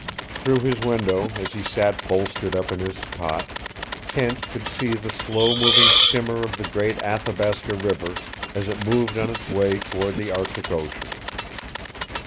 Through his window, as he sat bolstered up in his cot, Kent could see the slow moving shimmer of the great Athabasca River as it moved on its way toward the Arctic Ocean.